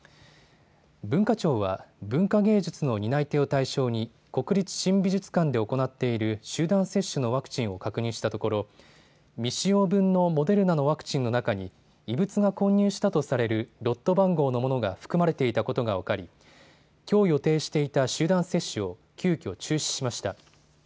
文化庁は、文化芸術の担い手を対象に国立新美術館で行っている集団接種のワクチンを確認したところ未使用分のモデルナのワクチンの中に異物が混入したとされるロット番号のものが含まれていたことが分かりきょう予定していた集団接種を急きょ中止しました。